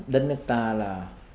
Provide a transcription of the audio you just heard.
đất nước ta là